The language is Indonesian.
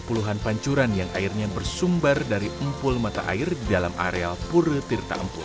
puluhan pancuran yang airnya bersumbar dari empul mata air dalam areal pura tirta empun